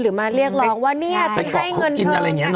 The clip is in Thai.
หรือมาเรียกร้องว่าเนี่ยจะให้เงินเธอ